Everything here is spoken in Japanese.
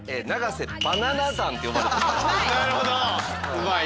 うまい！